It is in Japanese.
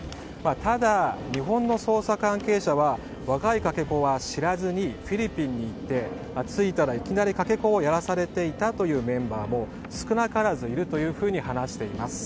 ただ、日本の捜査関係者は若いかけ子は知らずにフィリピンに行って着いたらいきなりかけ子をやらされていたというメンバーも少なからずいると話しています。